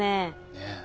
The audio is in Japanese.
ねえ。